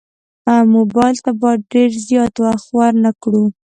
موبایل ته باید زیات وخت ورنه کړو.